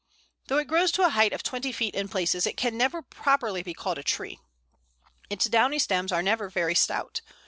] Though it grows to a height of twenty feet in places, it can never properly be called a tree. Its downy stems are never very stout.